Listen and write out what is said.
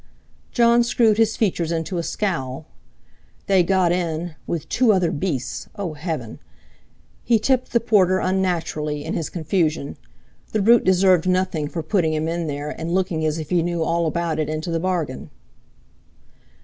Jon screwed his features into a scowl. They got in—with two other beasts!—oh! heaven! He tipped the porter unnaturally, in his confusion. The brute deserved nothing for putting them in there, and looking as if he knew all about it into the bargain.